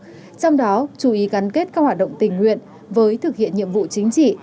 trong đó chú ý gắn kết các hoạt động tình nguyện với thực hiện nhiệm vụ chính trị